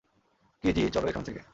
Keiji, চলো এখান থেকে।